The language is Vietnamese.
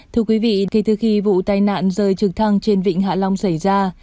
thưa quý vị kể từ khi vụ tai nạn rơi trực thăng trên vịnh hạ long xảy ra